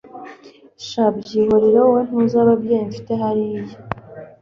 sha byihorere wowe ntuzi ababyeyi mfite hariya